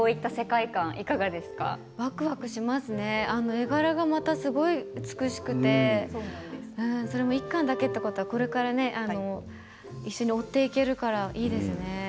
絵柄がすごく美しくて１巻だけということはこれから一緒に追っていけるからいいですよね。